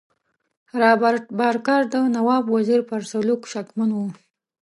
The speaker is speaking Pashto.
رابرټ بارکر د نواب وزیر پر سلوک شکمن وو.